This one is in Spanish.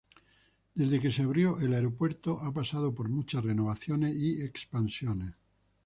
Desde que se abrió, el aeropuerto ha pasado por muchas renovaciones y expansiones.